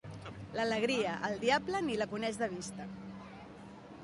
L'alegria, el diable ni la coneix de vista.